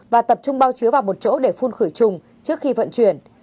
và tập trung bao chứa vào một chỗ để phun khửi chùng trước khi vận chuyển